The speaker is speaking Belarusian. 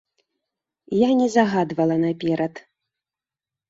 Я не загадвала наперад.